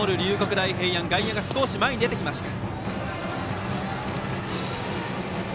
大平安外野が少し前に出てきました。